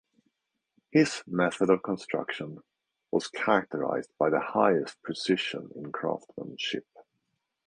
His method of construction was characterised by the highest precision in craftsmanship.